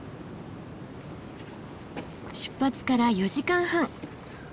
出発から４時間半。